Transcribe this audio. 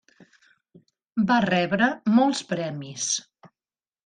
Va rebre molts premis.